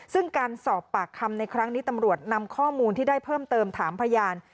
ซึ่งการสอบปากคำในครั้งนี้ตำรวจนำข้อมูลที่ได้เพิ่มเติมถามพยาน